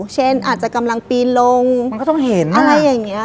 เช่นอาจจะกำลังปีนลงมันก็ต้องเห็นอะไรอย่างนี้